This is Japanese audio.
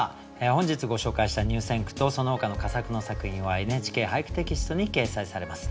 本日ご紹介した入選句とそのほかの佳作の作品は「ＮＨＫ俳句」テキストに掲載されます。